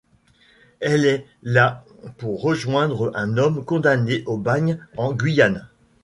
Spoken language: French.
Elle est là pour rejoindre un homme condamné au bagne en Guyane.